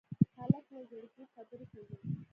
هلک له زړګي خبرې کوي.